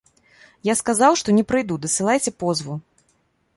Я сказаў, што не прыйду, дасылайце позву.